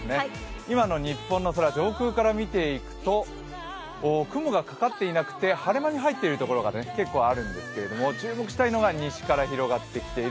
今の日本の空、上空から見ていくと、雲がかかっていなくて晴れ間に入っているところが結構あるんですけれども、注目したいのは、西から広がってきている